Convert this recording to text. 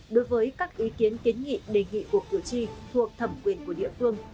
đối với các ý kiến kiến nghị đề nghị của cửa chi thuộc thẩm quyền của địa phương